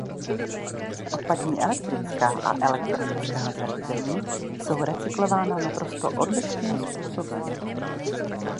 Odpadní elektrická a elektronická zařízení jsou recyklována naprosto odlišným způsobem.